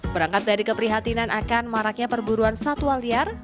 berangkat dari keprihatinan akan maraknya perburuan satwa liar